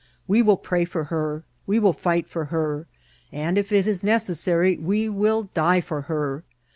We will pray for her ; we will fight for her ; and, if it is necessary, we will die for her.